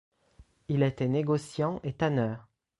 Il était négociant et tanneur.